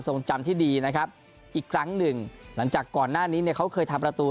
จำที่ดีนะครับอีกครั้งหนึ่งหลังจากก่อนหน้านี้เนี่ยเขาเคยทำประตู